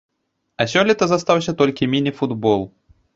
А сёлета застаўся толькі міні-футбол.